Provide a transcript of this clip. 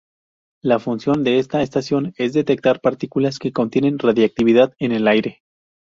La función de esta estación es detectar partículas que contienen radiactividad en el aire.